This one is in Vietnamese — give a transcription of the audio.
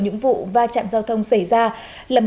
những vụ va chạm giao thông xảy ra